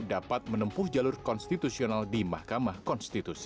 dapat menempuh jalur konstitusional di mahkamah konstitusi